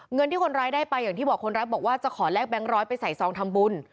เงินที่คนร้ายได้ไปอย่างที่บอกคนร้ายบอกว่าจะขอแลกแบงค์ร้อยไปใส่ซองทำบุญ